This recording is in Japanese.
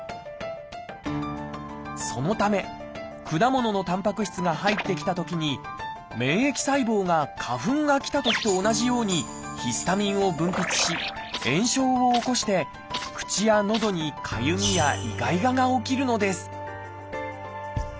そのため果物のたんぱく質が入ってきたときに免疫細胞が花粉が来たときと同じようにヒスタミンを分泌し炎症を起こして口や喉にかゆみやイガイガが起きるのです